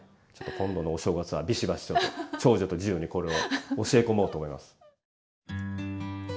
今度のお正月はビシバシと長女と次女にこれを教え込もうと思います。